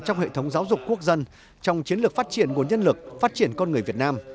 trong hệ thống giáo dục quốc dân trong chiến lược phát triển nguồn nhân lực phát triển con người việt nam